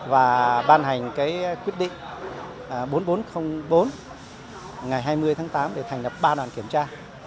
và ban hành quyết định bốn nghìn bốn trăm linh bốn ngày hai mươi tháng tám để thành lập ba đoàn kiểm tra